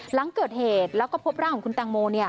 หลังเกิดเหตุแล้วก็พบร่างของคุณแตงโม